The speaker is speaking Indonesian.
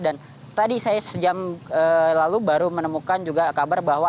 dan tadi saya sejam lalu baru menemukan juga kabar bahwa